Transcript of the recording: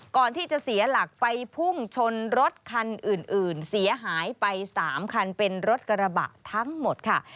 ก่อนที่จะเสียหลักไปพุ่งชนรถคันอื่นเสียหายไป๓คันเป็นรถกระบะทั้งหมดค่ะ